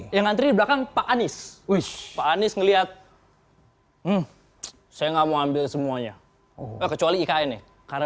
yang ngantri belakang pak anies wih pak anies ngelihat saya ngambil semuanya kecuali karena